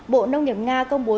bộ nông nghiệp nga công bố